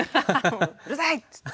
もううるさいっつって。